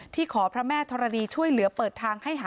ที่ขอพระแม่ธรณีช่วยเหลือเปิดทาง